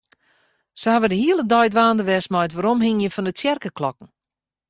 Se hawwe de hiele dei dwaande west mei it weromhingjen fan de tsjerkeklokken.